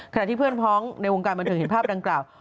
ขณะที่เพื่อนพ้องในวงการบันเทิงเห็นภาพดังกล่าว